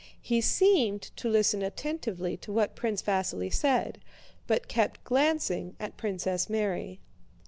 He seemed to listen attentively to what Prince Vasíli said, but kept glancing at Princess Mary.